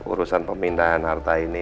urusan pemindahan harta ini